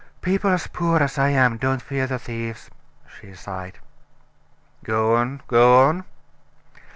"People as poor as I am don't fear the thieves," she sighed. "Go on go on."